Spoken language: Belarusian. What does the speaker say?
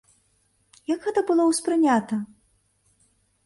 Як гэта было ўспрынята?